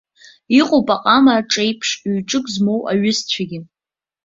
Иҟоуп, аҟама аҿеиԥш, ҩ-ҿык змоу аҩызцәагьы.